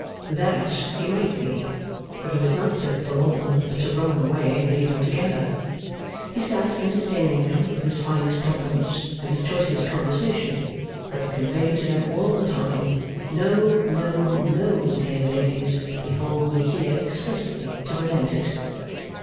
That he might be; but he was not so forlorn as to roam away and leave them together. He sat entertaining them with his finest compliments, and his choicest conversation; but he conveyed to them, all the time, 'No, no, no, dear ladies. Behold me here expressly to prevent it!